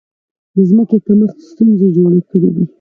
د ځمکې کمښت ستونزې جوړې کړې.